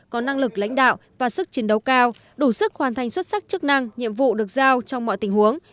có năng lực lãnh đạo và sức chiến đấu cao đủ sức hoàn thành xuất sắc chức năng nhiệm vụ được giao trong mọi tình huống